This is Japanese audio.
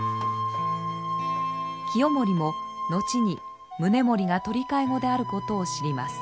清盛も後に宗盛が取替子であることを知ります。